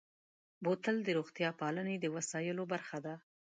بوتل د روغتیا پالنې د وسایلو برخه ده.